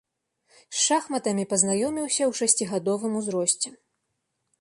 З шахматамі пазнаёміўся ў шасцігадовым узросце.